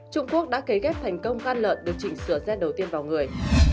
trung quốc đã kế ghép thành công gan lợn được chỉnh sửa z đầu tiên vào người